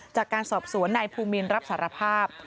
จากการสอบสวนนายภูมินรับสารภาพ